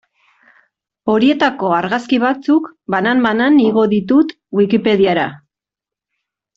Horietako argazki batzuk, banan-banan, igo ditut Wikipediara.